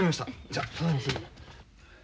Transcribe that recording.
じゃあ。